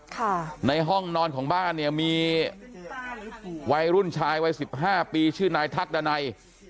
ค่ะในห้องนอนของบ้านเนี่ยมีวัยรุ่นชายวัยสิบห้าปีชื่อนายทักดันัย